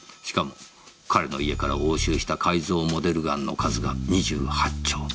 しかも彼の家から押収した改造モデルガンの数が２８丁。